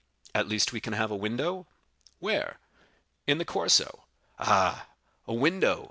"At least we can have a window?" "Where?" "In the Corso." "Ah, a window!"